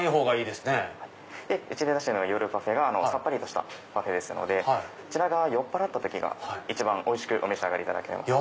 でうちで出してる夜パフェがさっぱりとしたパフェですので酔っぱらった時が一番おいしくお召し上がりいただけます。